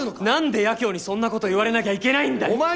なんで八京にそんな事言われなきゃいけないんだよ！